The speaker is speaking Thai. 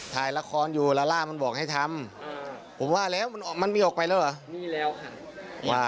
ถ่ายละครอยู่รับมันบอกให้ทำผมว่าแล้วมันมีออกไปแล้วไหม